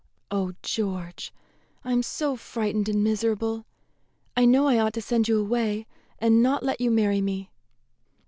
Oh, George, I am so frightened and miserable! I know I ought to send you away, and not let you marry me."